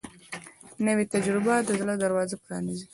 نوې تجربه د زړه دروازه پرانیزي